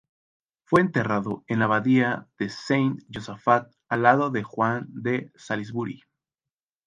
Fue enterrado en la Abadía de Saint-Josaphat al lado de Juan de Salisbury.